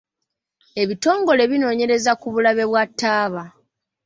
Ebitongole binoonyereza ku bulabe bwa taaba.